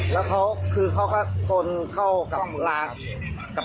แล้วเขาก็ชนเข้ากับบารีเออร์หรือยังครับ